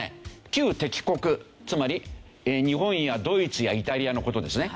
旧敵国つまり日本やドイツやイタリアの事ですね。